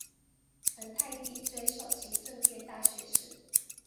成泰帝追授勤政殿大学士。